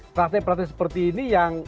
prase prase seperti ini yang